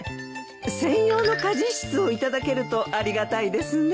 専用の家事室をいただけるとありがたいですね。